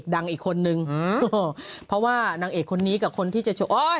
ได้กรรมให้ขอทีค่ะขอทีค่ะ